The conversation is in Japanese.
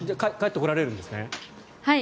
帰ってこられるんですね？